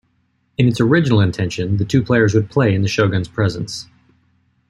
In its original intention, the two players would play in the shogun's presence.